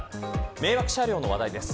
迷惑車両の話題です。